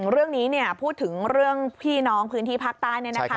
เรื่องนี้พูดถึงเรื่องพี่น้องพื้นที่ภาคใต้